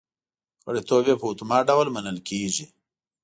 غړیتوب یې په اتومات ډول منل کېږي